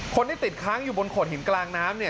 คนที่ติดค้างอยู่บนโขดหินกลางน้ำเนี่ย